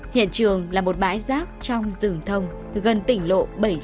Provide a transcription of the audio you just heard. hiện trường là một bãi rác trong rừng thông gần tỉnh lộ bảy trăm hai mươi năm